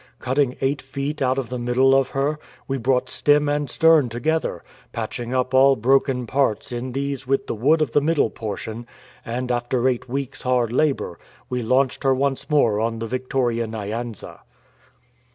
Cutting eight feet out of the middle of her, we brought stem and stern together, patching up all broken parts m these wdth the wood of the middle portion ; and after eight weeks' hard labour, we launched her once more on the Victoria Nyanza.''